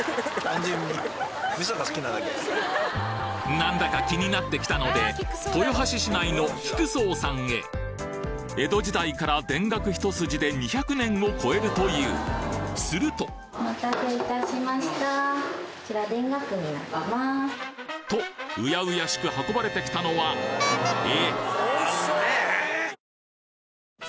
なんだか気になってきたので豊橋市内のきく宗さんへ江戸時代から田楽一筋で２００年を超えるというするととうやうやしく運ばれてきたのはえ？とうやうやしく運ばれてきたのはえ？